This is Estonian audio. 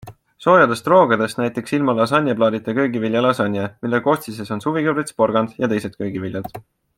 Soojadest roogadest näiteks ilma lasanjeplaadita köögiviljalasanje, mille koostises on suvikõrvits, porgand jt köögiviljad.